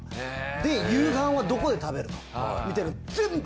で夕飯はどこで食べるかみたいなの全部。